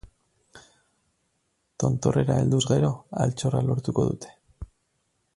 Tontorrera helduz gero, altxorra lortuko dute.